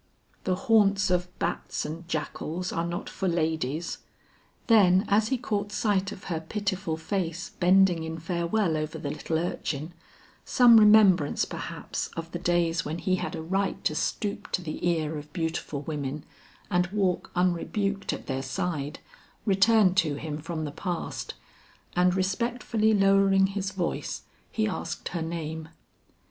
"The haunts of bats and jackals are not for ladies." Then as he caught sight of her pitiful face bending in farewell over the little urchin, some remembrance perhaps of the days when he had a right to stoop to the ear of beautiful women and walk unrebuked at their side, returned to him from the past, and respectfully lowering his voice, he asked her name.